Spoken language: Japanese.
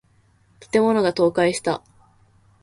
建物が倒壊した。